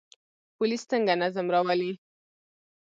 پولیس څنګه نظم راولي؟